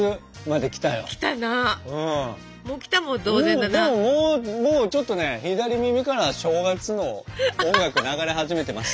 でももうちょっとね左耳から正月の音楽流れ始めてます。